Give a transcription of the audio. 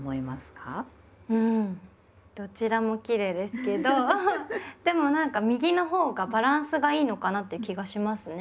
んどちらもきれいですけどでもなんか右のほうがバランスがいいのかなって気がしますね。